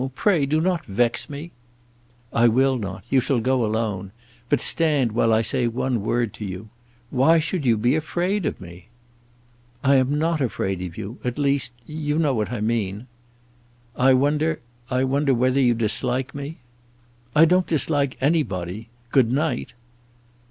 Pray do not vex me." "I will not. You shall go alone. But stand while I say one word to you. Why should you be afraid of me?" "I am not afraid of you, at least, you know what I mean." "I wonder, I wonder whether you dislike me." "I don't dislike anybody. Good night."